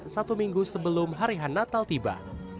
satu minggu sebelum harian natal tiba